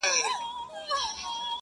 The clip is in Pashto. او خپل سر يې د لينگو پر آمسا کښېښود؛